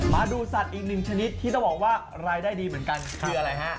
มาดูสัตว์อีกหนึ่งชนิดที่ต้องบอกว่ารายได้ดีเหมือนกันคืออะไรฮะ